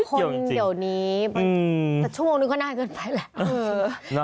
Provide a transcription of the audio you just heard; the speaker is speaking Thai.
คนเดี๋ยวนี้แต่ชั่วโมงนึงก็น่าเกินไปแหละ